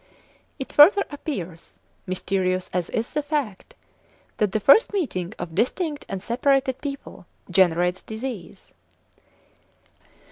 It further appears, mysterious as is the fact, that the first meeting of distinct and separated people generates disease.